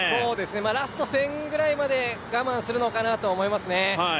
ラスト１０００ぐらいまで我慢するのかなと思いますね。